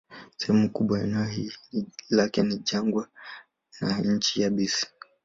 Sehemu kubwa ya eneo lake ni jangwa na nchi yabisi.